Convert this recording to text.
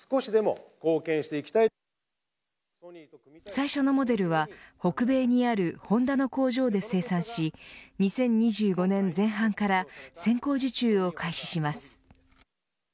最初のモデルは北米にあるホンダの工場で生産し２０２５年前半から先行受注を開始します。